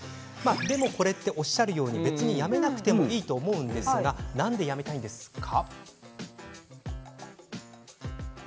でも、これって別にやめなくてもいいと思うんですがなんで、やめたいんですか？